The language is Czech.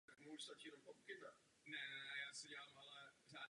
Samozřejmě stále narážíme na velmi citlivou otázku sdílení zpravodajských informací.